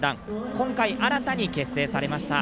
今回、新たに結成されました。